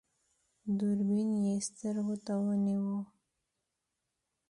دوربين يې سترګو ته ونيو.